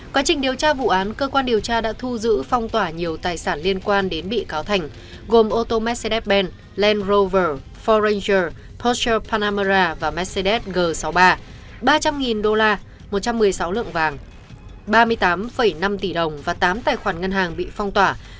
quá trình điều tra vụ án cơ quan điều tra đã thu giữ phong tỏa nhiều tài sản liên quan đến bị cáo thành gồm ô tô mercedes bent lan rover forranger poster panamara và mercedes g sáu mươi ba ba trăm linh đô la một trăm một mươi sáu lượng vàng ba mươi tám năm tỷ đồng và tám tài khoản ngân hàng bị phong tỏa